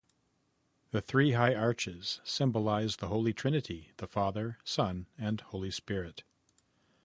The three high arches symbolizes the Holy Trinity, the Father, Son and Holy Spirit.